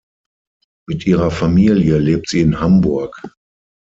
Mit ihrer Familie lebt sie in Hamburg.